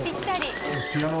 ピアノ？